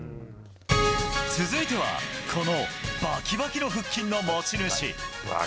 続いてはこのバキバキの腹筋の持ち主。